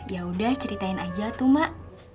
ya udah ceritain aja tuh mak